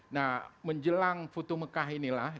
nah menjelang putu mekah inilah